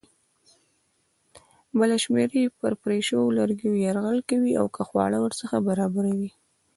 بله شمېره یې پر پرې شویو لرګیو یرغل کوي او خواړه ورڅخه برابروي.